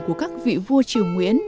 của các vị vua triều nguyễn